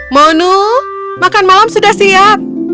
monu makan malam sudah siap